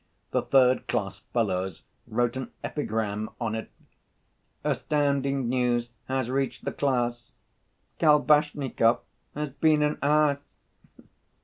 The third‐class fellows wrote an epigram on it: Astounding news has reached the class, Kolbasnikov has been an ass.